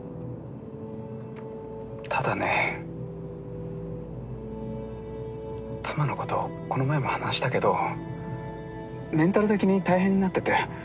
ただね妻の事この前も話したけどメンタル的に大変になってて。